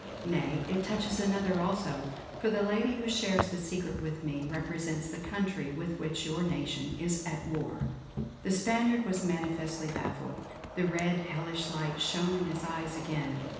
Nay, it touches another also, for the lady who shares the secret with me represents the country with which your nation is at war!" The Spaniard was manifestly baffled; the red, hellish light shone in his eyes again.